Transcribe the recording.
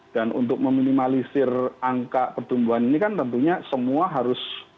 dan untuk meminimalisir angka pertumbuhan ini kan tentunya semua harus